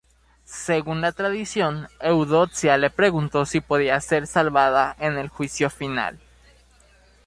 Según la tradición, Eudoxia le preguntó sí podía ser salvada en el Juicio Final.